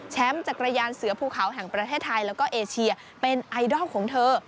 จักรยานเสือภูเขาแห่งประเทศไทยแล้วก็เอเชียเป็นไอดอลของเธอ